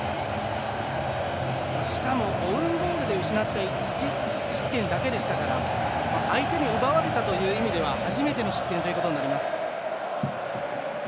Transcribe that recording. しかも、オウンゴールで失った１失点だけでしたから相手に奪われたという意味では初めての失点ということになります。